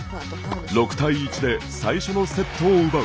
６対１で最初のセットを奪う。